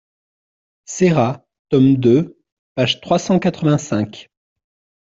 Serra, tome II, page trois cent quatre-vingt-cinq.